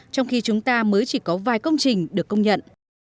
trong khi chúng ta mới chỉ có vài công trình được công nhận